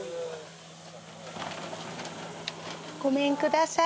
ごめんください。